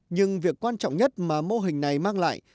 nhưng việc quan trọng nhất mà mô hình này mang lại